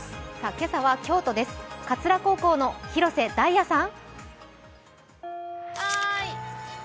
今朝は京都です、桂高校の廣瀬大愛さん。